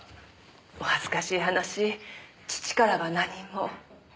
お恥ずかしい話義父からは何も。